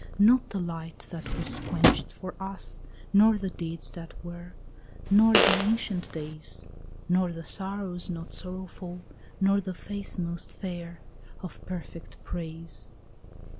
"Not the light that was quenched for us, nor the deeds that were, Nor the ancient days, Nor the sorrows not sorrowful, nor the face most fair Of perfect praise."